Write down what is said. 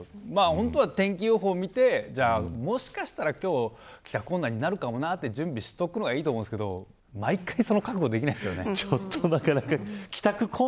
本当は天気予報を見てもしかしたら、今日帰宅困難になるかもなんて準備しておくのがいいと思うんですけど毎回その覚悟はできないですよね。